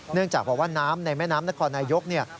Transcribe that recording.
เนื่องจากว่าน้ำในแม่น้ำนครนายก